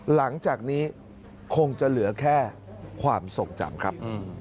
หลังจากนี้คงจะเหลือแค่ความทรงจำครับ